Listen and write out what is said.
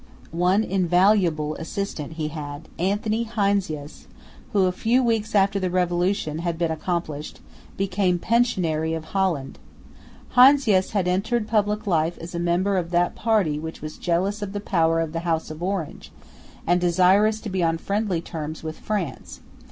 One invaluable assistant he had, Anthony Heinsius, who, a few weeks after the Revolution had been accomplished, became Pensionary of Holland. Heinsius had entered public life as a member of that party which was jealous of the power of the House of Orange, and desirous to be on friendly terms with France.